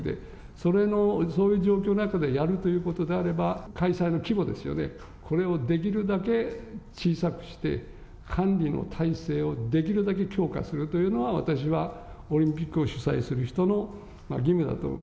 それの、そういう状況の中でやるということであれば、開催の規模ですよね、これをできるだけ小さくして、管理の体制をできるだけ強化するというのは、私はオリンピックを主催する人の義務だと思う。